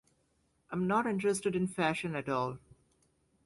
I'm not interested in fashion at all.